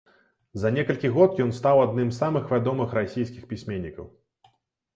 За некалькі год ён стаў адным з самых вядомых расійскіх пісьменнікаў.